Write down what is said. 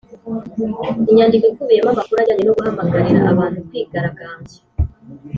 Inyandiko ikubiyemo amakuru ajyanye no guhamagarira abntu kwigaragambya